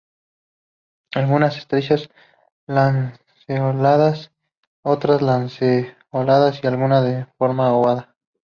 Algunas estrechas lanceoladas, otras lanceoladas y algunas de una forma ovada.